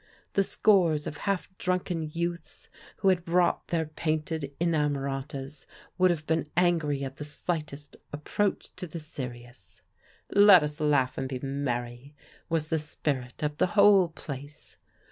The scores of half drunken youths who had brought their painted inamoratas would have been angry at the slightest approach to the serious. '' Let us laugh and be merry " was the spirit of the whole place.